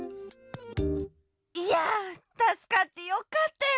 いやたすかってよかったよ！